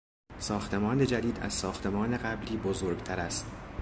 ساختمان جدید از ساختمان قبلی بزرگتر است.